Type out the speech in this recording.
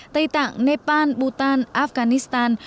tây tạng nepal bhutan afghanistan